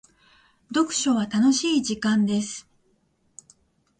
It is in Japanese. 読書は楽しい時間です。